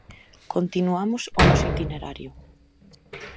Continuamos o noso itinerario.